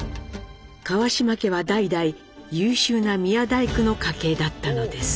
川島家は代々優秀な宮大工の家系だったのです。